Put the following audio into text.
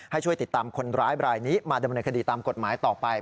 ให้ช่วยติดตามคนร้ายบรายนี้มาดำเนินคดีตามกฎหมายต่อไป